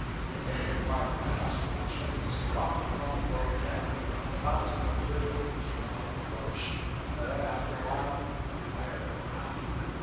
The main part of the mass, with the chimneys, dropped upon the boat again, a mountain of riddled and chaotic rubbish and then, after a little, fire broke out.